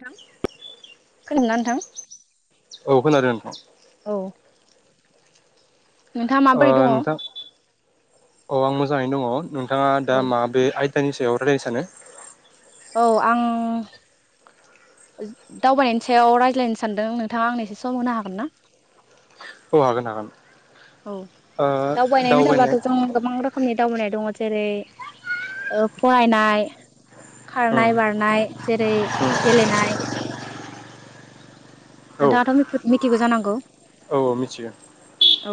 थां खोनादोंना नोंथां औ खोनादों नोंथां औ नोंथाङा ओ माबोरै दङ नोंथां औ आं मोजाङैनो दङ नोंथाङा औ दा माबे आइ दानि सायाव रायलायनो सानो औ आं ओ दावबायनायनि सायाव रायज्लायनो सानदों नोंथाङा आंनो एसे सम होनो हागोन ना औ हागोन हागोन औ ओ दावबायनाय होनोब्लाथ' जों गोबां रोखोमनि दावबायनाय दङ जेरै ओ फरायनाय उम खारनाय बारनाय जेरै गेलेनाय उम औ औ नोंथाङाथ' फोर मिथिगौ जानांगौ औ मिथियो औ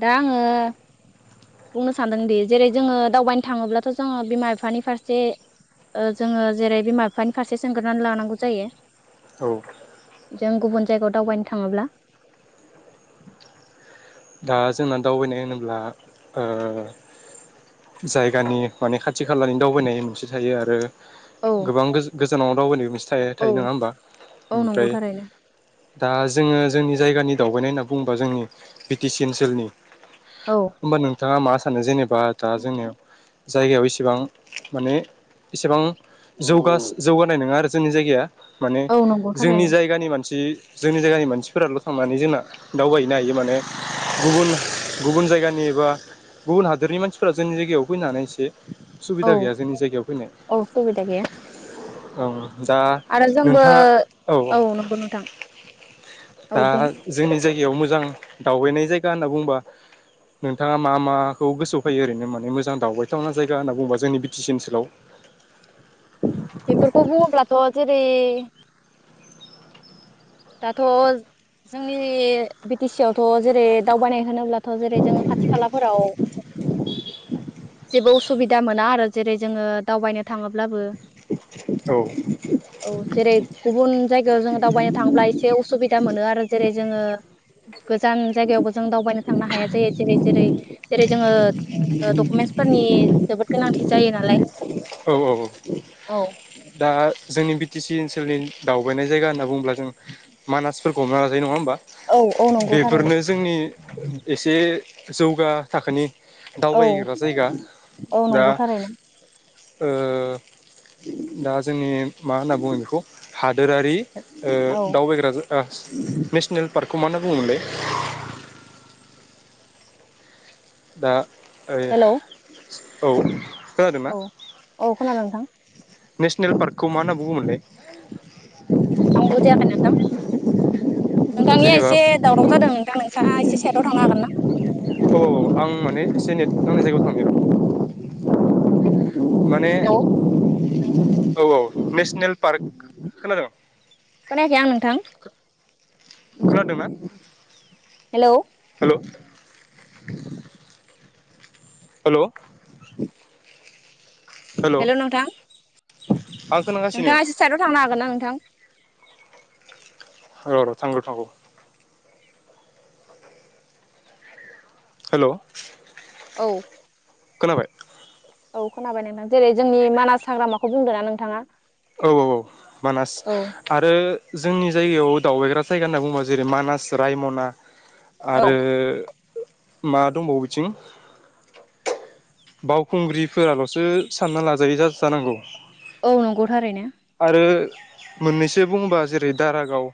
दा आङो बुंनो सानदोंदि जेरै जोङो दावबायनो थाङोब्लाथ' जोङो बिमा बिफानि फारसे जोङो जेरै बिमा बिफानि फारसे सोंग्रोनानै लानांगौ जायो औ जों गुबुन जायगायाव दावबायनो थाङोब्ला दा जोंना दावबायनाय होनोब्ला ओ जायगानि माने खाथि खालानि दावबायनाय मोनसे थायो आरो औ गोबां गो जानाव राव साननाय औ थायो नङा होमबा औ नंगौ ओमफ्राय थारैनो दा जोङो जोंनि जायगानि दावबायनाय होनना बुङोबा जोंनि बि टि सि ओनसोलनि औ होमबा नोंथाङा मा सानो जेनेबा बा दा जोंनियाव जायगायाव इसेबां माने इसेबां जौगास-जौगानाय नङा आरो जोंनि जायगाया माने औ नंगौ जोंनि थारैनो जायगानि मानसि जोंनि जायगानि मानसिफोराल' थांनानै जोंना दावबायहैनो हायो माने गुबुन-गुबुन जायगानि एबा गुबुन हादोरनि मानसिफोरा जोंनि जायगायाव फैनो हानाय एसे औ सुबिदा गैया जोंनि जायगायाव फैनो औ सुबिदा गैया औ दा आरो जोंबो नोंथाङा औ नोंगौ नथां औ दा बुं जोंनि जायगायाव मोजां दावबायनाय जायगा होनना बुंङोबा नोंथाङा मा माखौ गोसोआवफोयो ओरैनो माने मोजां दावबायथावना जायगा होनना बुंङोबा जोंनि बि टि सि ओनसोलाव बेफोरखौ बुंङोब्लाथ' जेरै दाथ' जोंनि बि टि सि आवथ' जेरै दावबायनाय होनोब्लाथ' जेरै जोङो खाथि खालाफोराव जेबो उसुबिदा मोना आरो जेरै जोङो दावबायनो थाङोब्लाबो औ औ जेरै गुबुन जायगायाव जों दावबाय थांब्ला एसे असुबिदा मोनो आरो जेरै जोङो गोजान जायगायावबो जों दावबायनो थांनो हाया जायो जेरै-जेरै जेरै जोङो डकुमेन्टसफोरनि जोबोद गोनांथि जायो नालाय औ-औ-औ औ दा जोंनि बि टि सि ओनसोलनि दावबायनाय जायगा होनना बुंङोब्ला जों मानासफोरखौ हमना लाजायो नङा होमबा औ औ नंगौ बेफोरनो थारैनो जोंनि एसे जौगा थाखोनि औ दावबायग्रा जायगा औ दा नंगौ थारैनो ओ दा जोंनि मा होनना बुङो बेखौ हादोरारि ओ औ दावबायग्रा जा थास नेसनेल पार्कखौ मा होनना बुङोमोनलाय? दा हेलौ ओयो औ खोनादोंना औ औ खोनादों नोंथां नेसनेल पार्कखौ मा होनना बुङोमोनलाय? आं बुजियाखै नोंथां नोंथांनिया जेनेबा एसे दावराव जादों नोंथां नोंसाङा एसे साइदाव थांनो हागोन ना? औ आं माने एसे नेट नां जायगायाव थांनि र' [unintelligible] माने हेलौ औ औ नेसनेल पार्क खोनादों खोनायाखै आं नोंथां खोनादोंना? हेलौ [unintelligible] हेल' हेल' नोंथां [unintelligible] खोनागासिनो नोंथाङा एसे साइडआव थांनो हागोन ना नोंथां? र' र' थांगौ थांगौ हेल' औ खोनाबाय औ खोनाबाय नोंथां जेरै जोंनि मानास हाग्रामाखौ बुंदो ना नोंथाङा? औ औ औ मानास औ आरो जोंनि जायगायाव दावबायग्रा जायगा होनना बुङोबा जेरै मानास, रायमना औ आरो मा दंबावो बिथिं बावखुंग्रिफोराल'सो सानना लाजायोै जा जानांगौ औ नंगौ थारैनो आरो मोननैसो बुंबा जेरै दारागाव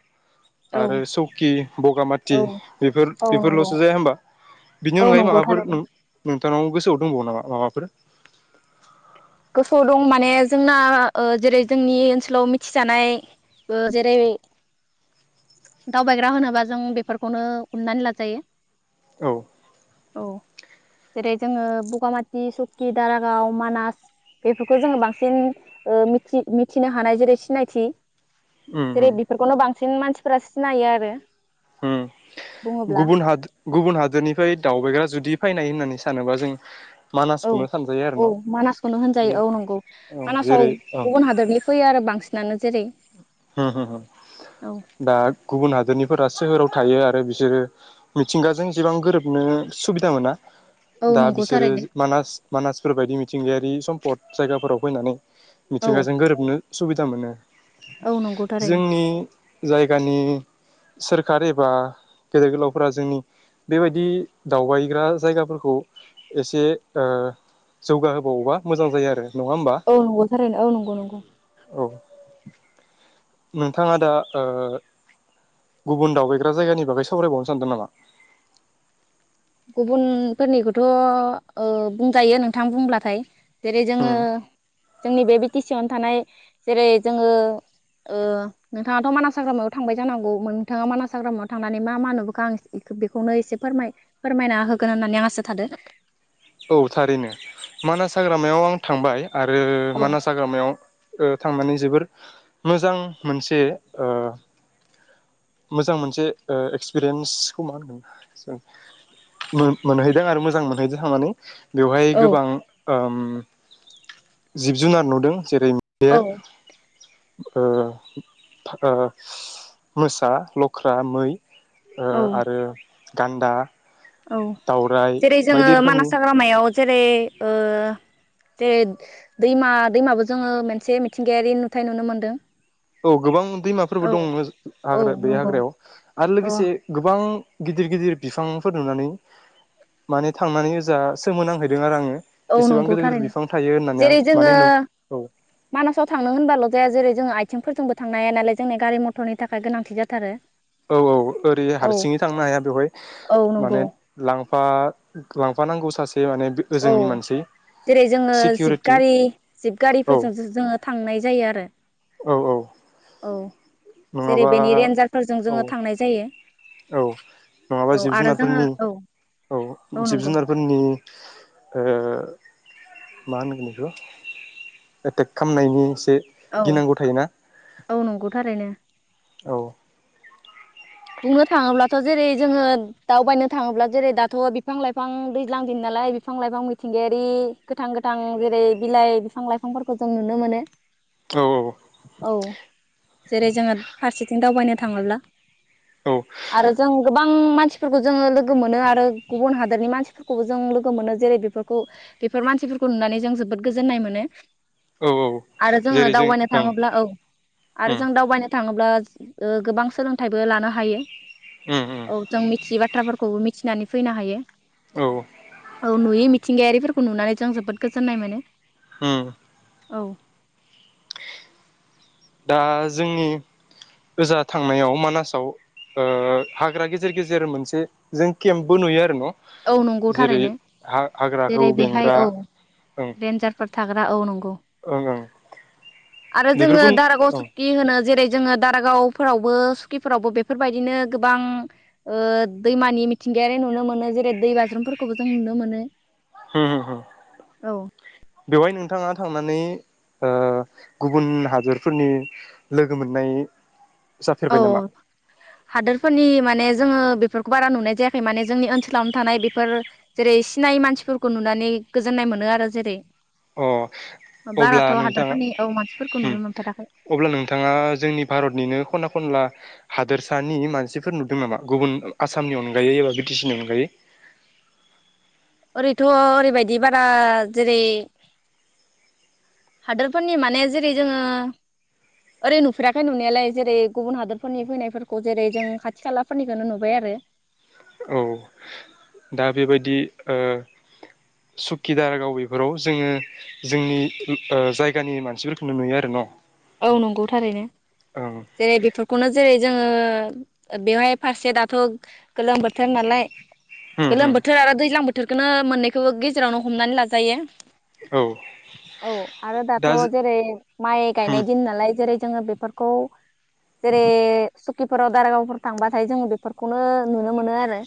औ आरो सौकि बगामाति औ बेफोर औ नंगौ बेफोरल'सो जाया होबा बेनि औ अनगायै नंगौ माबाफोर थारैनो नों नों थांनाव गोसोआव दंबावो नामा माबाफोर? गोसोआव दं माने जोंना ओ जेरै जोंनि ओनसोलाव मिथिजानाय ओ जेरै दावबायग्रा होनोबा जों बेफोरखौनो हमनानै लाजायो। औ औ जेरै जोङो बगामाथि सकि दारागाव मानास बेफोरखौ जोङो बांसिन ओ मिथिनो हानाय जेरै सिनायथि। उम उम जेरै बेफोरखौनो बां सिन मानसि फोरा सिनायो आरो। होम बुङोब्ला गुबुन हादोर गुबुन हादोरनिफ्राय दावबायग्रा जुदि फायनाय होननानै सानोबा जों औ मानासखौनो सानजायो आरो औ न' मानासखौनो जि होनजायो। औ नंगौ औ मानासाव जेरै औ गुबुन हादरनि फैयो आरो बांसिन नानो जेरै ओ-ओ औ दा गुबुन हादरनिफोरा सोहोराव थायो आरो बिसोरो मिथिंगाजों एसेबां गोरोबनो सुबिदा मोना। औ दा नंगौ बिसोरो थारैनो मानास मानासफोर बायदि मिथिं मिथिंगायारि सम्पद जायगाफोराव फैनानै औ मिथिंगाजों गोरोबनो सुबिदा मोनो। औ नंगौ थारैनो जोंनि जाय जायगानि सोरखार एबा गेदेर गोलावफ्रा जोंनि बेबायदि दावबायग्रा जायगाफोरखौ एसे ओ जौगाहोबावोबा मोजां जायो आरो। नङा होमबा औ नंगौथारैनो औ नंगौ नंगौ [inaudible] नोंथाङा दा ओ गुबुन दावबायग्रा जायगानि बागै सावरायबावनो सानदों नामा? गुबुनफोरनिखौथ' ओ बुंजायो नोंथां बुंब्लाथाय। जेरै जोङो उम जोंनि बे बिटि सि आवनो थानाय जेरै जोङो ओ नोंथाङाथ' मानास हाग्रामायाव थांबाय जानांगौ नोंथाङा मानास हाग्रामायाव थांनानै मा मा नुबोखो आं बेखौनो एसे फोरमाय फोरमायना होगोन होननानै आं आसा थादों। औ थारैनो मानास हाग्रामायाव आं थांबाय। आरो औ मानास हाग्रामायाव ओ थांनानै जोबोर मोजां मोनसे ओ मोजां मोनसे एक्सपिरियेन्सखौ मा होनगोन मोनहैदों आरो मोजां मोनहैदों थांनानै। बेवहाय औ गोबां ओम जिब-जुनार नुदों। जेरै मैदेर, ओ-ओ मोसा, लख्रा, मै। ओ आरो। गान्दा। औ दावराइ जेरै जोङो बायदि रोखोमनि मानास हाग्रामायाव जेरै ओ दै दैमा दैमाबो जोङो मोनसे मिथिंगायारि नुथाय नुनो मोन्दों। औ गोबां दैमाफोरबो दं औ हाग्रा बे नंगौ हाग्रायाव आरो औ लोगोसे गोबां गिदिर गिदिर बिफांफोर नुनानै माने थांनानै ओजा सोमोनांहैदों आरो आङो। औ एसेबां नंगौ गिदिर गिदिर थारैनो बिफां थायो होननानै आं जेरै जोङो माने नु औ मानासाव थांनो होनबाल' जाया जेरै जोङो आइ आथिंफोरजोंबो थांनो हाया नालाय जोंनि गारि मथरनि थाखाय गोनांथि जाथारो। औ औ ओरै औ हारसिङै थांनो हाया बेवहाय औ माने नंगौ लांफा लां माबानांगौ सासे- माने औ ओजोंनि मानसि जेरै जोङो जिब सिकिउरिटि गारि जिब औ गारिफोरजों जोङो थांनाय जायो आरो। औ औ औ जेरै नङाबा बेनि रेन्जारफोरजों औ जोङो थांनाय जायो। औ नङाबा औ जिब आरो जोङो जुनारफोरनि औ औ जिब जुनारफोरनि ओ ओ‌ मा मोनगोन बेखौ एटेक खामनायनि औ औ नंगौ थारैनो। औ बुंनो थाङोब्लाथ' जेरै जोङो दावबायनो थाङोब्ला जेरै दाथ' बिफां लाइफां दैज्लां दिन नालाय बिफां लाइफां मिथिंगायारि गोथां गोथां जेरै बिलाइ बिफां लाइफांफोरखौ जों नुनो मोनो। औ औ जेरै जोङो फारसेथिं दावबायनो थांबोला‌ औ आरो जों गोबां उम मानसिफोरखौ जोङो लोगो मोनो आरो गुबुन हादोरनि मानसिफोरखौबो जों लोगो मोनो जेरै बेफोरखौ बेफोर मानसिफोरखौ नुनानै जों जोबोद गोजोननाय मोनो। औ औ आरो जोङो जेरै जों दावबायनो ओं थाङोब्ला औ आरो उम जों दावबायनो थाङोब्ला- गोबां सोलों फिथायबो लानो हायो। उम उम औ जों मिथियै बाथ्राफोरखौ खौ मिथिनानै फैनो हायो। औ औ नुयै मिथिंगायारिफोर‌ खौ नुनानै जों जोबोद गोजोननाय मोनो। उम औ दा जोंनि ओजा थांनायाव मानासाव ओ हाग्रा गेजेर गेजेर मोनसे जों केम्पबो नुयो आरो न'। औ नंगौ जेरै थारैनो हा-हाग्राखौ जेरै बेहाय बेंग्रा ओं औ रेन्जारफोर थाग्रा औ नंगौ ओं ओं आरो बेफोरखौ जोङो ओं सुख्थि होनो होनो जेरै जोङो दाब दारागाव फोरावबो सुकिफोरावबो बेफोरबायदिनो गोबां ओ दैमानि मिथिंगायारि नुनो मोनो जे दै बाज्रुमफोरखौबो जों नुनो मोनो। होम होम होम औ बेवहाय नोंथाङा थांनानै ओ गुबुन हादरफोरनि लोगो मोननाय औ जाफेरबाय नामा हादोरफोरनि माने जोङो बेफोरखौ बारा नुनाय जायाखै माने जोंनि ओनसोलावनो थानाय बेफोर जेरै सिनाय मानसिफोरखौ नुनानै गोजोननाय मोनो आरो जेरै अ अब्ला बाराथ' नोंथाङा हादोरफोरनि औ मानसिफोरखौ होम नुनो मोनफेराखै अब्ला नोंथाङा जोंनि भारतनिनो खना खनला हादोरसानि मानसिफोर नुदों नामा गुबुन आसामनि अनगायै एबा बिटिसिनि अनगायै ओरैथ' ओरैबायदि बारा जेरै हादोरफोरनि माने जेरै जोंङो ओरै नुफेराखै नुनायालाय जेरै गुबुन हादोरफोरनि फैनायफोरखौ जेरै जों खाथि खालाफोरनिखौनो नुबाय आरो औ दा बेबायदि ओ सुखिदार गाव बेफोराव जोङो जोंनि ओ जायगानि मानसिफोरखौनो नुयो आरो न' औ नंगौ थारैनो ओं जेरै बेफोरखौनो जेरै जोङो। बेवहाय फारसे दाथ' गोलोम बोथोर नालाय होम गोलोम होम बोथोर आरो दैज्लां बो बोथोरखोनो मोननैखौबो गेजेरावनो हमनानै लाजायो। औ औ आरो दा दाथ' जेरै माइक उम गायनाय दिन नालाय जेरै जोङो बेफोरखौ जेरै स'किफोराव दारागावफोर थांबाथाय जोंङो बेफोरखौनो नुनो मोनो आरो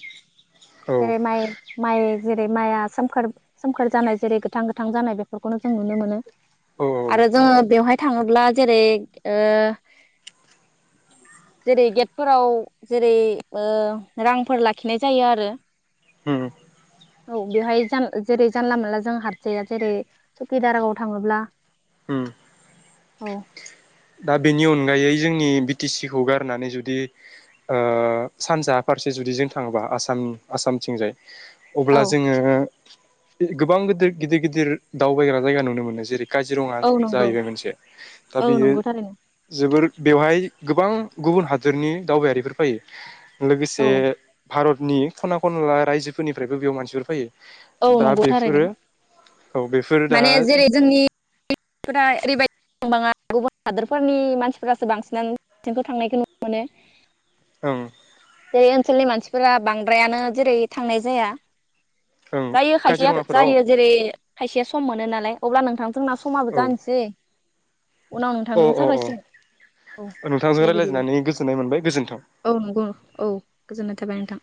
औ जेरै माइ-माइ जेरै माइया सोमखोर-सोमखोर जानाय जेरै गोथां-गोथां जानाय बेफोरखौनो जों नुनो मोनो। औ आरो जोङो बेवहाय थाङोब्ला जेरै ओ जेरै गेटफोराव जेरै ओ रांफोर लाखिनाय जायो आरो। होम औ बेवहाय जान जेरै जानला मोनानला जों हाबजाया जेरै सकि दारागाव थाङोब्ला होम औ दा बेनि अनगायै जोंनि बि टि सिखौ गारनानै जुदि ओ सानजा फारसे जुदि जों थाङोबा आसाम आसामथिंजाय अब्ला औ जोङो गोबां गोदोर-गिदिर-गिदिर दावबायग्रा जायगा नुनो मोनो जेरै काजिरङा औ नंगौ जाहैबाय मोनसे दा औ बियो नंगौ थारैनो जोबोर बेवहाय गोबां गुबुन हादोरनि दावबायारिफोर फैयो। औ लोगोसे भारत नि खना खनला रायजोफोरनिफ्रायबो बेयाव मानसिफोर फैयो। औ दा नंगौ थारैनो बेफोरो औ बेफोर दा माने जेरै जोंनि फोरा ओरैबायदि [unintelligible] ङा गुबुन हादोरफोरनि मानसिफोरासो बांसिनानो [unintelligible] सिनखौ थांनायखौ नुनो मोनो। ओं जेरै ओनसोलनि मानसिफोरा बांद्रायानो जेरै थांनाय जाया ओं जायो खायसेया काजिरङाफोराव जायो जेरै खायसेया सम मोनो नालाय अब्ला नोंथां जोंना समाबो औ जानोसै उनाव अ नोंथांजों सावरायसिगोन औ अ नोंथांजों दे बिदिब्ला रायज्लायनानै गोजोननाय मोनबाय गोजोन्थों। औ नंगौ औ गोजोनाय नोंथां